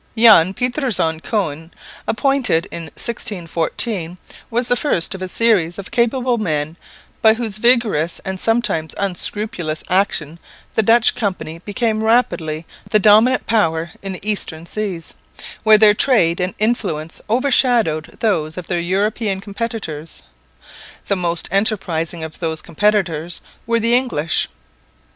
Jan Pieterszoon Koen, appointed in 1614, was the first of a series of capable men by whose vigorous and sometimes unscrupulous action the Dutch company became rapidly the dominant power in the eastern seas, where their trade and influence overshadowed those of their European competitors. The most enterprising of those competitors were the English.